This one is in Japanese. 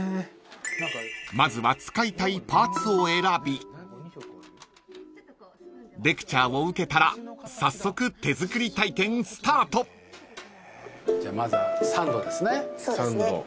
［まずは使いたいパーツを選びレクチャーを受けたら早速手作り体験スタート］じゃあまずはサンドですね。